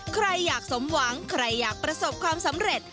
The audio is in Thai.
ใครอยากสมหวังใครอยากประสบความสำเร็จ